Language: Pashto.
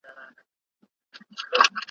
هومره ډار نه وي د دښت له لړمانو .